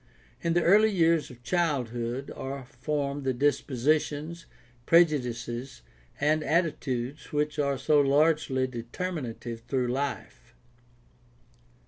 In the early years of childhood are formed the dispositions, prejudices, and attitudes which are so largely determinative through life.